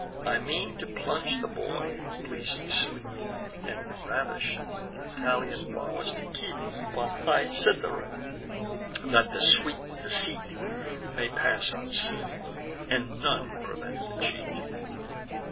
I mean to plunge the boy in pleasing sleep, And, ravish'd, in Idalian bow'rs to keep, Or high Cythera, that the sweet deceit May pass unseen, and none prevent the cheat.